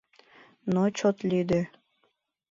Но чот лӱдӧ...